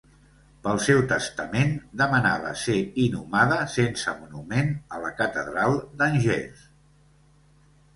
Pel seu testament, demanava ser inhumada, sense monument, a la catedral d'Angers.